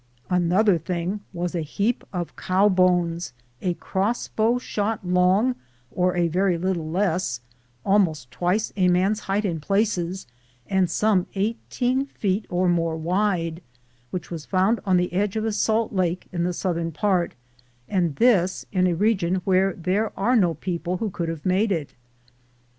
Another thing was a heap of eow bones, a crossbow shot long, or a very little leas, almost twice a man's height in places, and some 18 feet or more wide, which was found on the edge of a salt lake in the southern part, and this in a region where there are no people who could have made it.